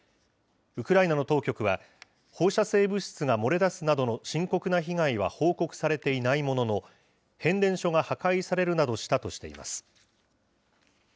ウクライナの当局は、放射性物質が漏れ出すなどの深刻な被害は報告されていないものの、変電所が破壊されるなどしたとしています。